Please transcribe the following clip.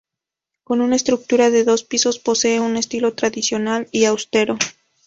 Con una estructura de dos pisos, posee un estilo tradicional y austero.